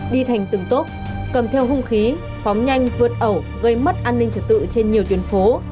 đi thành từng tốp cầm theo hung khí phóng nhanh vượt ẩu gây mất an ninh trật tự trên nhiều tuyến phố